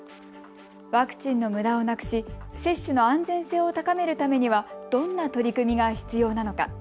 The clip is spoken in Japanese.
ワクチンのむだをなくし接種の安全性を高めるためにはどんな取り組みが必要なのか。